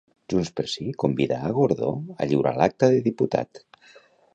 JxSí convida a Gordó a lliurar l'acta de diputat.